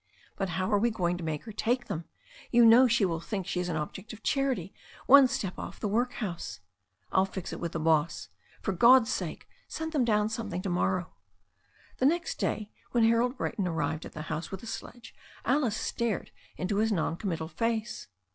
"But how are we going to make her take them ? You know she will think she is an object of charity, one step off the workhouse." "I'll fix it with the boss. For God's sake send them down something to morrow." The next day, when Harold Brayton arrived at the house with a sledge, Alice stared into his non committal face.